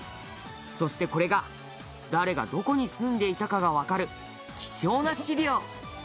そして、これが誰がどこに住んでいたかがわかる貴重な資料